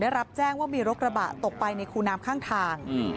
ได้รับแจ้งว่ามีรถกระบะตกไปในคูน้ำข้างทาง